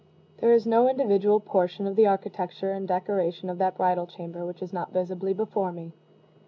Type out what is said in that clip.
There is no individual portion of the architecture and decoration of that bridal chamber which is not visibly before me.